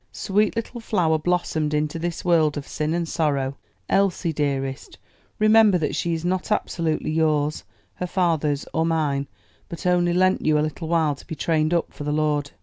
"Sweet little flower blossomed into this world of sin and sorrow! Elsie, dearest, remember that she is not absolutely yours, her father's, or mine; but only lent you a little while to be trained up for the Lord."